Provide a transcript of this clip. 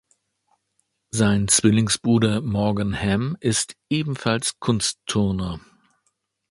Sein Zwillingsbruder Morgan Hamm ist ebenfalls Kunstturner.